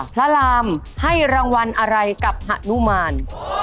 พระรามให้รางวัลอะไรกับหนุมาน